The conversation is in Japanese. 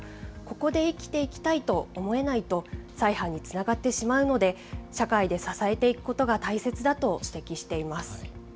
ここで生きていきたいと思えないと、再犯につながってしまうので、社会で支えていくことが大切だと指摘しています。